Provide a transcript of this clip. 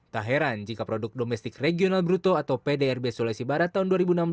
tak heran jika produk domestik regional bruto atau pdrb sulawesi barat tahun dua ribu enam belas